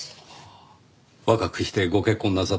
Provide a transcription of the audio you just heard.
若くしてご結婚なさったんですねぇ。